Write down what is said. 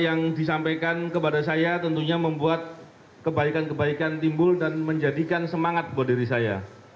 yang disampaikan kepada saya tentunya membuat kebaikan kebaikan timbul dan menjadikan semangat buat diri saya